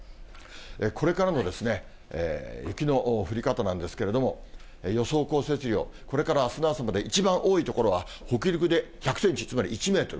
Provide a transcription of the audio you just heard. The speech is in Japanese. これからの雪の降り方なんですけれども、予想降雪量、これからあすの朝まで、一番多い所は北陸で１００センチ、つまり１メートル。